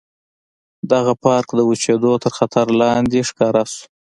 دغه پارک د وچېدو تر خطر لاندې ښکاره شو.